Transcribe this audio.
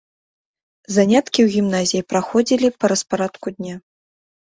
Заняткі ў гімназіі праходзілі па распарадку дня.